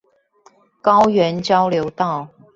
高原交流道